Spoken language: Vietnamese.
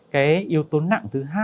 cái yếu tố nặng thứ hai